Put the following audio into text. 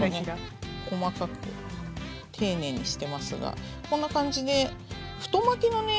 細かく丁寧にしてますがこんな感じで太巻きのね